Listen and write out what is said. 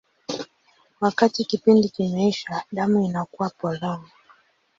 Wakati kipindi kimeisha, damu inakuwa polong.